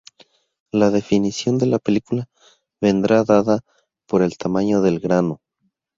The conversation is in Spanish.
La definición de la película vendrá dada por el tamaño del grano.